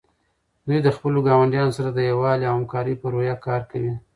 دوی د خپلو ګاونډیانو سره د یووالي او همکارۍ په روحیه کار کوي.